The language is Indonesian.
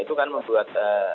itu kan membuat